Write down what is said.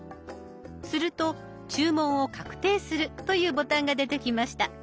すると「注文を確定する」というボタンが出てきました。